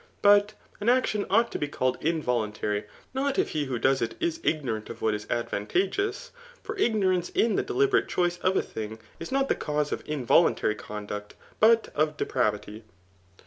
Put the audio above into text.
But an actiiHi ought to be called involuntary, not if he who does it is ignorant of what is advantageous ; for ignorance in the deliberate choice of a thing, ul not the cause of involun jtary conduct, but of depravity.